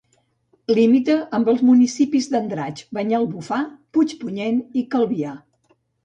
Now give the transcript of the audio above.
Limita amb els municipis d'Andratx, Banyalbufar, Puigpunyent i Calvià.